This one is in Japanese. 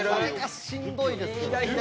しんどいですね。